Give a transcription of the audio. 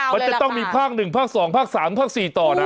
มันจะต้องมีภาคหนึ่งภาคสองภาคสามภาคสี่ต่อนะ